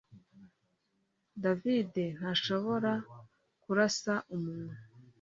David ntashobora kurasa umuntu